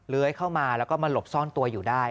เข้ามาแล้วก็มาหลบซ่อนตัวอยู่ได้